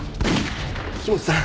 木元さん